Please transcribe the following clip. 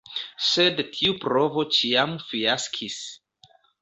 Sed tiu provo ĉiam fiaskis.